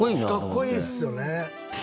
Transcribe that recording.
かっこいいですよね。